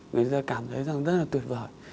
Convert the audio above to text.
người ta cảm thấy rằng rất là tuyệt vời